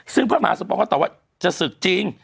ซึ่งพระมหาสมปองก็ตอบว่าจะศึกจริง